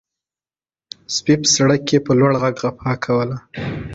سپي په سړک کې په لوړ غږ غپا کوله.